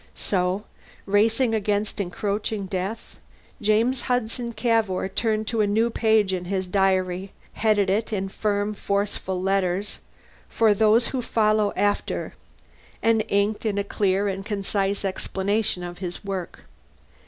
So, racing against encroaching death, James Hudson Cavour turned to a new page in his diary, headed it, in firm, forceful letters, For Those Who Follow After, and inked in a clear and concise explanation of his work.